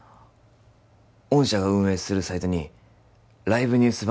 御社が運営するサイトにライブニュース